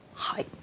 はい。